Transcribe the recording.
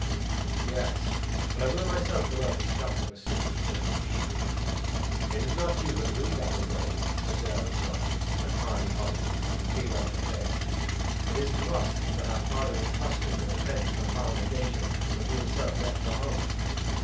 "Yes, but I will myself go out and stop the pursuit," said Naois. "It is not you, but we that will go," said Daring Drop, and Hardy Holly, and Fiallan the Fair; "it is to us that our father entrusted your defence from harm and danger when he himself left for home."